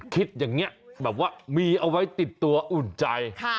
คิดอย่างนี้แบบว่ามีเอาไว้ติดตัวอุ่นใจ